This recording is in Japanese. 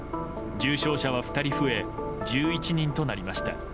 重症者は２人増え１１人となりました。